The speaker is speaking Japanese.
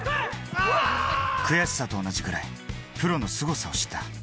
悔しさと同じくらいプロのすごさを知った。